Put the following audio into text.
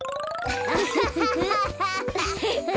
ウフフフフ。